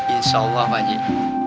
insya allah pakcik